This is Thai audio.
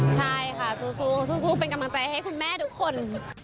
ใช่ค่ะสู้เป็นกำลังใจให้คุณแม่ทุกคน